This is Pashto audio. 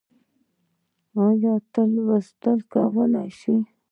ايا ته لوستل کولی شې؟